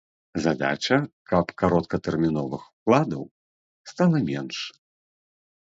Задача, каб кароткатэрміновых укладаў стала менш.